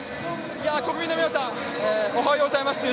国民の皆さんおはようございますという